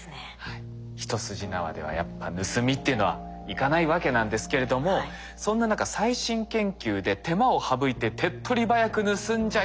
一筋縄ではやっぱ盗みっていうのはいかないわけなんですけれどもそんな中最新研究で手間を省いて手っ取り早く盗んじゃいます。